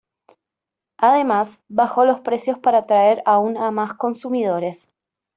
Además, bajó los precios para atraer aun a más consumidores.